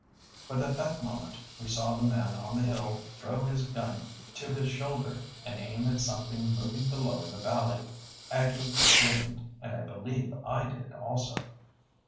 But at that moment we saw the man on the hill throw his gun to his shoulder and aim at something moving below in the valley. Aggie screamed, and I believe I did also.